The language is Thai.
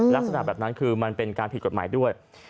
ลักษณะแบบนั้นคือมันเป็นการผิดกฎหมายด้วย